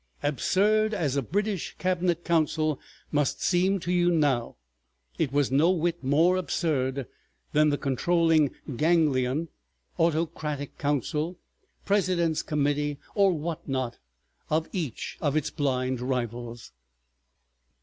Absurd as a British cabinet council must seem to you now, it was no whit more absurd than the controlling ganglion, autocratic council, president's committee, or what not, of each of its blind rivals.